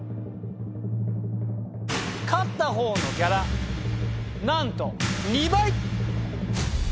勝った方のギャラなんと２倍！